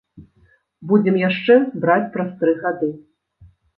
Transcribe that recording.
Будзем яшчэ браць праз тры гады.